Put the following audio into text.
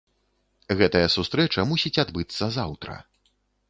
Гэтая сустрэча мусіць адбыцца заўтра.